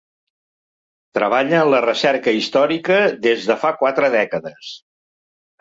Treballa en la recerca històrica des de fa quatre dècades.